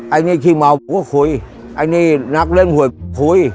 อันนี้ขี้เมาก็คุยไอ้นี่นักเล่นหวยคุย